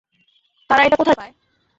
তারা এটা কোথায় পায়?